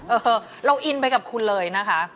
เออเราอินไปกับคุณเลยนะคะ